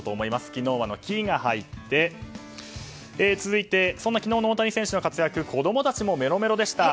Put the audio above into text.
昨日はの「キ」が入って続いて、そんな昨日の大谷選手の活躍に子供たちもメロメロでした。